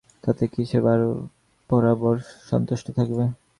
তাতে কি সে বরাবর সন্তুষ্ট থাকবে।